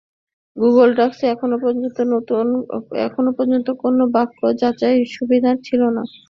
Google ডকসে এখন পর্যন্ত নিজস্ব কোনো ব্যাকরণ যাচাই সুবিধা ছিল না।